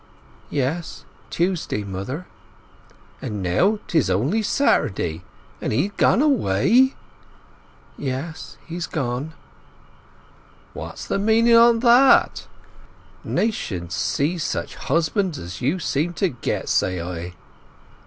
"Yes, Tuesday, mother." "And now 'tis on'y Saturday, and he gone away?" "Yes, he's gone." "What's the meaning o' that? 'Nation seize such husbands as you seem to get, say I!"